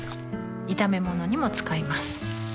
炒め物にも使います